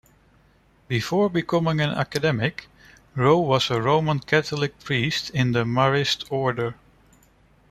Before becoming an academic, Rowe was a Roman Catholic priest in the Marist Order.